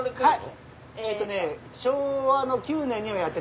はい！